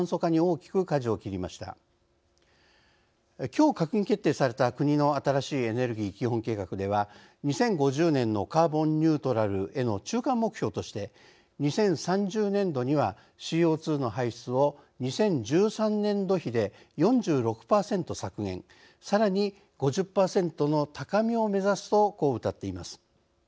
きょう閣議決定された国の新しいエネルギー基本計画では２０５０年のカーボンニュートラルへの中間目標として「２０３０年度にはＣＯ２の排出を２０１３年度比で４６％削減さらに５０％の高みを目指す」とこう、うたっています。